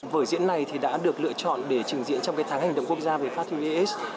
vở diễn này đã được lựa chọn để trình diễn trong tháng hành động quốc gia về phát triển ves